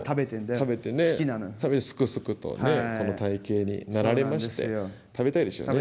食べてねすくすくとねこの体型になられまして食べたいでしょうね。